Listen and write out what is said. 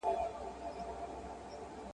پلار په دوی او دوی په پلار هوسېدلې ..